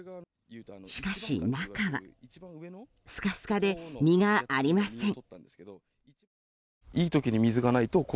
しかし、中はスカスカで実がありません。